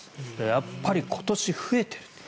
やっぱり今年、増えている。